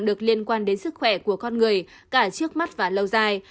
được liên quan đến sức khỏe của con người cả trước mắt và lâu dài